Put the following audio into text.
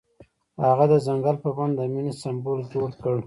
هغه د ځنګل په بڼه د مینې سمبول جوړ کړ.